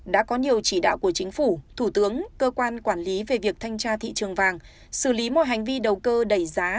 đã có nhiều chỉ đạo của chính phủ thủ tướng cơ quan quản lý về việc thanh tra thị trường vàng xử lý mọi hành vi đầu cơ đẩy giá